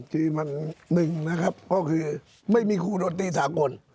คือมันหนึ่งนะครับก็คือไม่มีครูดนตรีสากล